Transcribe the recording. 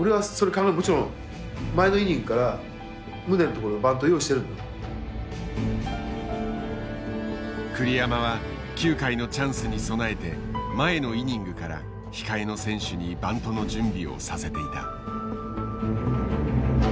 じゃあ代打バントいっても栗山は９回のチャンスに備えて前のイニングから控えの選手にバントの準備をさせていた。